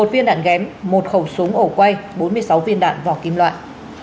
một mươi một viên đạn ghém một khẩu súng ổ quay bốn mươi sáu viên đạn vỏ kim loại